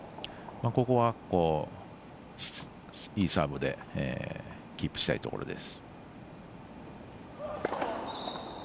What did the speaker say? ここは、いいサーブでキープしたいところです。